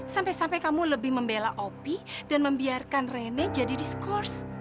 sampai sampai kamu lebih membela opi dan membiarkan rene jadi diskurs